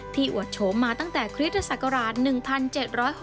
อวดโฉมมาตั้งแต่คริสตศักราช๑๗๖